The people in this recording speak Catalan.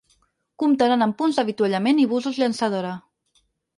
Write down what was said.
Comptaran amb punts d’avituallament i busos llançadora.